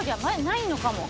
ないのかも。